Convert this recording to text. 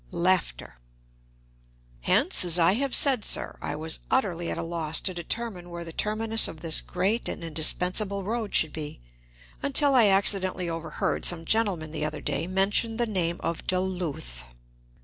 Hence, as I have said, sir, I was utterly at a loss to determine where the terminus of this great and indispensable road should be, until I accidentally overheard some gentleman the other day mention the name of "Duluth."